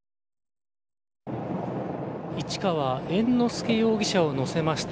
市川猿之助容疑者を乗せました